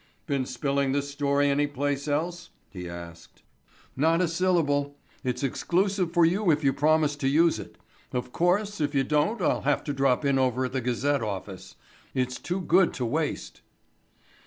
"Been spilling this story any place else?", he asked. "Not a syllable. It's exclusive for you if you promise to use it. Of course, if you don't I'll have to drop in over at the Gazette office. It's too good to waste."